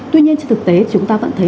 tuy nhiên trên thực tế chúng ta vẫn thấy